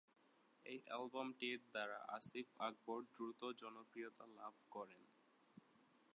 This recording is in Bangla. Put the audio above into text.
এই অ্যালবামটির দ্বারা আসিফ আকবর দ্রুত জনপ্রিয়তা লাভ করেন।